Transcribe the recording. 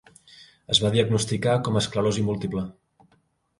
Es va diagnosticar com a esclerosi múltiple.